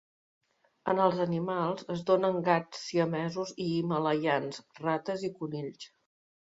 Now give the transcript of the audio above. En els animals, es dóna en gats siamesos i himalaians, rates i conills.